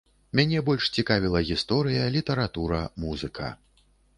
Мяне больш цікавіла гісторыя, літаратура, музыка.